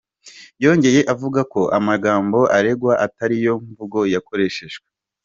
Yongeye avuga ko amajambo aregwa "atariyo mvugo yakoresheje".